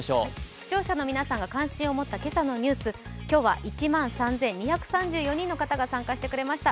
視聴者の皆さんが関心を持った今朝のニュース、今日は１万３２３４人の方が参加してくれました。